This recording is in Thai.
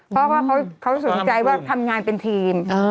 เพราะว่าเขาสนใจว่าทำงานเป็นทีม